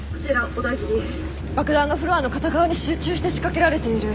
（小田切爆弾がフロアの片側に集中して仕掛けられている。